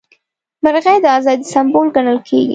مرغۍ د ازادۍ سمبول ګڼل کیږي.